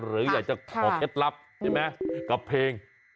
หรืออยากจะขอเคล็ดลับใช่ไหมกับเพลง